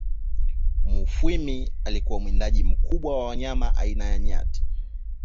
Mufwimi alikuwa mwindaji mkubwa wa wanyama aina ya Nyati